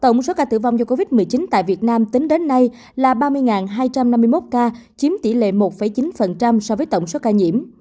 tổng số ca tử vong do covid một mươi chín tại việt nam tính đến nay là ba mươi hai trăm năm mươi một ca chiếm tỷ lệ một chín so với tổng số ca nhiễm